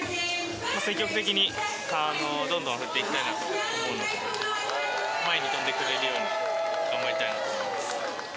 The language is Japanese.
積極的にどんどん振っていきたいなと思うので、前に飛んでくれるように、頑張りたいなと思います。